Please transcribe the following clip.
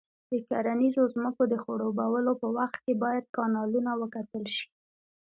د کرنیزو ځمکو د خړوبولو په وخت کې باید کانالونه وکتل شي.